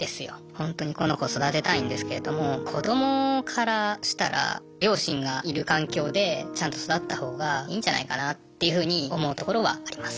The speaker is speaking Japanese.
ほんとにこの子育てたいんですけれども子どもからしたら両親がいる環境でちゃんと育ったほうがいいんじゃないかなっていうふうに思うところはあります。